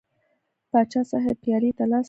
پاچا صاحب پیالې ته لاس کړ.